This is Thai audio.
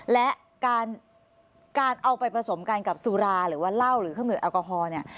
และการเอาไปผสมกันกับสุราหรือว่าเหล้าหรือเครื่องมือแอลกอฮอล์เนี่ย